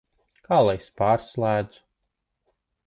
Kā lai es pārslēdzu?